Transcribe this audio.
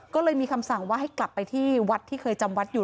ก็เลยมีคำสั่งว่าให้กลับไปที่วัดที่เคยจำวัดอยู่